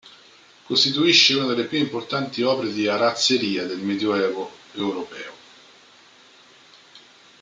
Costituisce una delle più importanti opere di arazzeria del medioevo europeo.